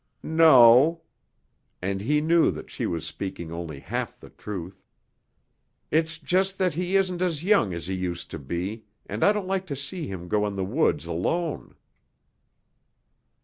"No," and he knew that she was speaking only half the truth. "It's just that he isn't as young as he used to be and I don't like to see him go in the woods alone."